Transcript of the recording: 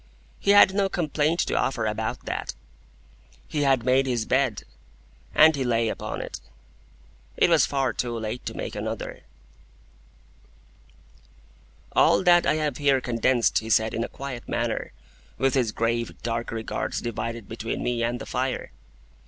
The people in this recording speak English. He had no complaint to offer about that. He had made his bed, and he lay upon it. It was far too late to make another. [Picture: The signal man] All that I have here condensed he said in a quiet manner, with his grave, dark regards divided between me and the fire.